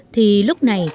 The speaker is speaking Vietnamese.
thì lúc này